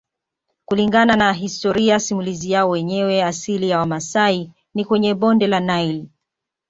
Kulingana na historia simulizi yao wenyewe asili ya Wamasai ni kwenye bonde la Nile